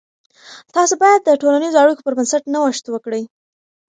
تاسې باید د ټولنیزو اړیکو پر بنسټ نوښت وکړئ.